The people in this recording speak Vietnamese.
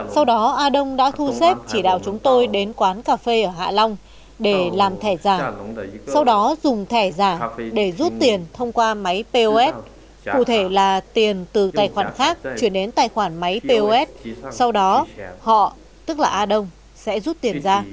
sau đó a đông đã thu xếp chỉ đạo chúng tôi đến quán cà phê ở hạ long để làm thẻ giả sau đó dùng thẻ giả để rút tiền thông qua máy pos cụ thể là tiền từ tài khoản khác chuyển đến tài khoản máy pos sau đó họ tức là a đông sẽ rút tiền ra